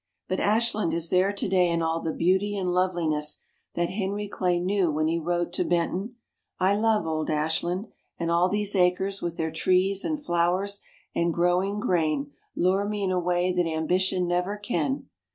But Ashland is there today in all the beauty and loveliness that Henry Clay knew when he wrote to Benton: "I love old Ashland, and all these acres with their trees and flowers and growing grain lure me in a way that ambition never can.